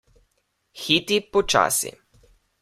Hiti počasi.